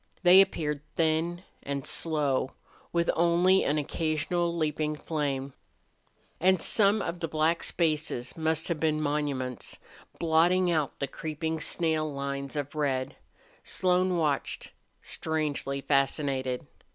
They appeared thin and slow, with only an occasional leaping flame. And some of the black spaces must have been monuments, blotting out the creeping snail lines of red. Slone watched, strangely fascinated.